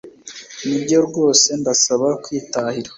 nibyo rwose ndasaba kwitahira